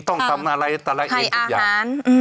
ต้องทำอะไรอะไรเองทุกอย่าง